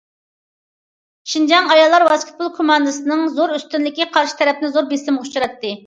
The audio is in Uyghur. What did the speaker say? شىنجاڭ ئاياللار ۋاسكېتبول كوماندىسىنىڭ زور ئۈستۈنلۈكى قارشى تەرەپنى زور بېسىمغا ئۇچراتتى.